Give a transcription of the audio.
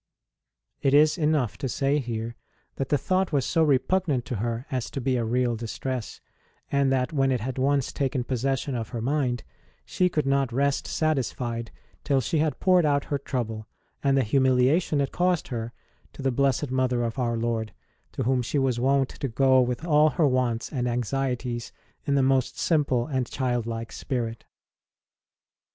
It is enough to say here that the thought was so repugnant to her as to be a real distress, and that when it had once taken possession of her mind, she could not rest satisfied till she had poured out her trouble, and the humiliation it caused her, to the Blessed Mother of Our Lord, to whom she was wont to go with all her wants and anxieties in the most simple and childlike spirit.